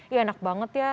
ya enak banget ya